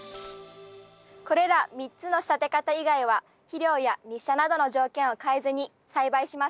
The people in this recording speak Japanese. これら３つの仕立て方以外は肥料や日射などの条件を変えずに栽培しました。